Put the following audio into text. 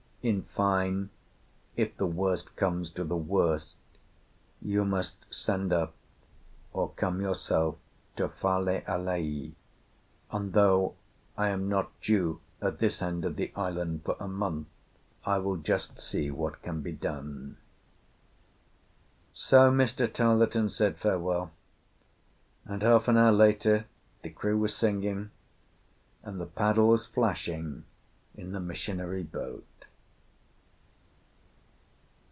In fine, if the worst comes to the worst, you must send up or come yourself to Fale alii, and, though I am not due at this end of the island for a month, I will just see what can be done." So Mr. Tarleton said farewell; and half an hour later the crew were singing and the paddles flashing in the missionary boat.